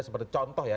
seperti contoh ya